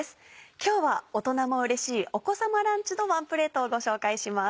今日は大人もうれしいお子さまランチのワンプレートをご紹介します。